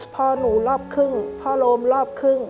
พ่อหนูรอบครึ่งพ่อโลมรอบครึ่ง